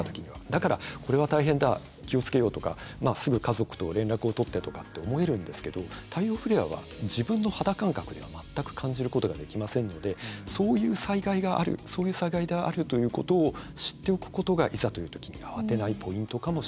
だから「これは大変だ気を付けよう」とかすぐ家族と連絡を取ってとかって思えるんですけど太陽フレアは自分の肌感覚では全く感じることができませんのでそういう災害があるそういう災害であるということを知っておくことがいざという時に慌てないポイントかもしれません。